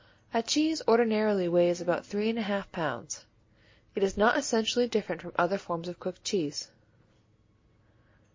A cheese ordinarily weighs about three and a half pounds. It is not essentially different from other forms of cooked cheese.